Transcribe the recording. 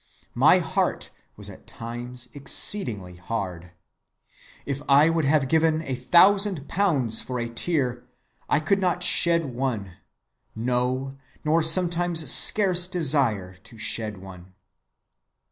My heart was at times exceedingly hard. If I would have given a thousand pounds for a tear, I could not shed one; no, nor sometimes scarce desire to shed one.